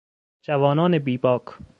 جوانان بیباک